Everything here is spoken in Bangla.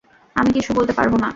আমি কিছু বলতে পারবো না।